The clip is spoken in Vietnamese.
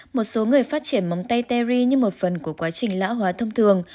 một số người phát triển móng tay teri như một phần của quá trình lão hóa thông thường